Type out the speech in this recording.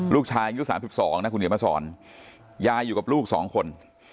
ลูกชายอายุ๓๒นะคุณเดี๋ยวมาสอนยายอยู่กับลูก๒คน